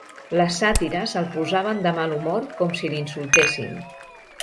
Les sàtires el posaven de mal humor com si l'insultessin